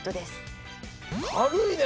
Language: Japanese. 軽いね！